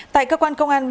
tại cơ quan công an